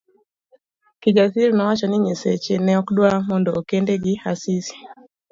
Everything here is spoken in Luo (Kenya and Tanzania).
Kijasiri nowacho ni nyiseche ne okdwar mondo okende gi Asisi.